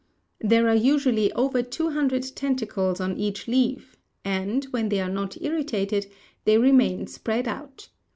There are usually over two hundred tentacles on each leaf and, when they are not irritated, they remain spread out.